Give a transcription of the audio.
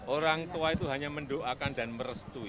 orang tua itu hanya mendoakan dan merestui